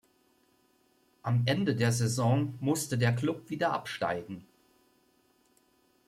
Am Ende der Saison musste der Klub wieder absteigen.